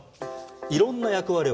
いろんな役割を果たす。